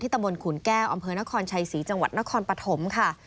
ตะบนขุนแก้วอำเภอนครชัยศรีจังหวัดนครปฐมค่ะ